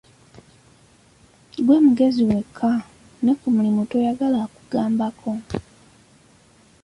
Ggwe mugezi wekka, ne ku mulimu toyagala akugambako.